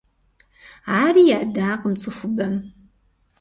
Ари ядакъым цӀыхубэм…